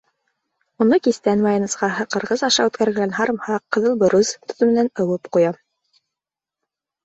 Уны кистән майонезға ҡырғыс аша үткәрелгән һарымһаҡ, ҡыҙыл борос, тоҙ менән ыуып ҡуям.